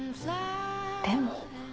でも。